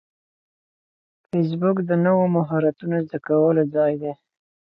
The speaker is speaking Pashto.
فېسبوک د نوو مهارتونو زده کولو ځای دی